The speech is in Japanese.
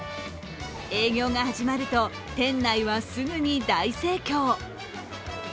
営業が始まると店内はすぐに大盛況。